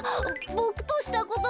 ボクとしたことが。